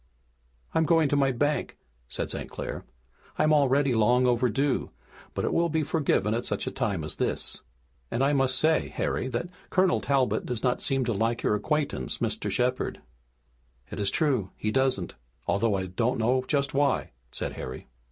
"I'm going to my bank," said St. Clair. "I'm already long overdue, but it will be forgiven at such a time as this. And I must say, Harry, that Colonel Talbot does not seem to like your acquaintance, Mr. Shepard." "It is true, he doesn't, although I don't know just why," said Harry.